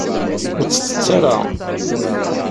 Ur tt-tett ara.